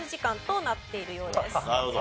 なるほど。